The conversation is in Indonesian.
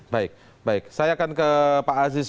baik baik saya akan ke pak aziz